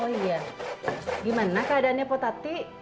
oh iya gimana keadaannya po tati